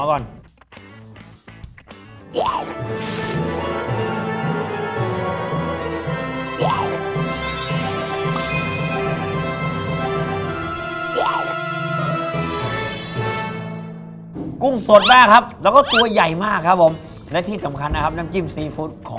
กุ้งสดมากครับแล้วก็ตัวใหญ่มากครับผมและที่สำคัญนะครับน้ำจิ้มซีฟู้ดของ